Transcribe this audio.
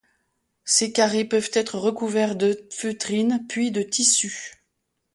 Ces carrées peuvent être recouverts de feutrine, puis de tissu.